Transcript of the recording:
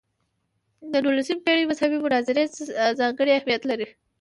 د نولسمې پېړۍ مذهبي مناظرې ځانګړی اهمیت لري.